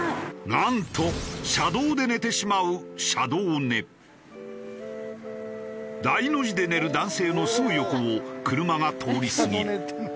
なんと車道で寝てしまう大の字で寝る男性のすぐ横を車が通り過ぎる。